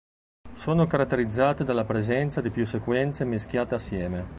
Sono caratterizzate dalla presenza di più sequenze mischiate assieme.